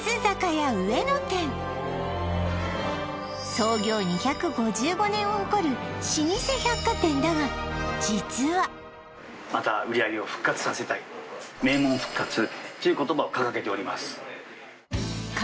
創業２５５年を誇る老舗百貨店だが実はまた名門復活という言葉を掲げておりますか